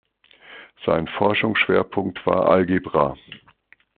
Sein Forschungsschwerpunkt war Algebra.